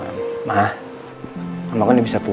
nanti di rumah aku akan bantuin dewi jagain mama juga